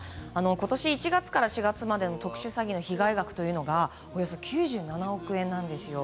今年１月から４月までの特殊詐欺の被害額がおよそ９７億円なんですよ。